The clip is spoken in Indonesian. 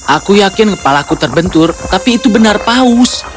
aku yakin kepala ku terbentur tapi itu benar paus